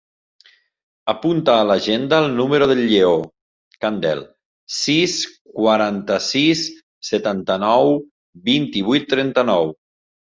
Apunta a l'agenda el número del Lleó Candel: sis, quaranta-sis, setanta-nou, vint-i-vuit, trenta-nou.